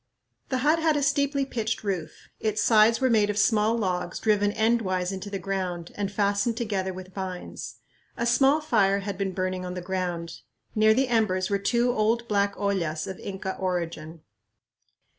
The hut had a steeply pitched roof. Its sides were made of small logs driven endwise into the ground and fastened together with vines. A small fire had been burning on the ground. Near the embers were two old black ollas of Inca origin.